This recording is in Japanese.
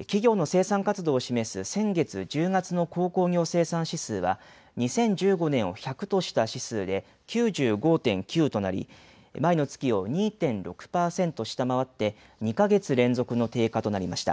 企業の生産活動を示す先月１０月の鉱工業生産指数は２０１５年を１００とした指数で９５．９となり前の月を２．６％下回って２か月連続の低下となりました。